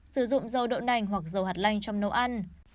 sử dụng dầu đậu nành hoặc dầu hạt lanh trong nấu ăn